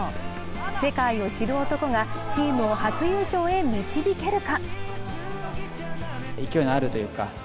世界を知る男がチームを初優勝へ導けるか。